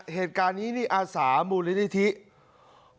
เฮ๙๕อัสหามูลิติธิะ